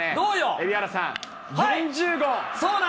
蛯原さん、４０号。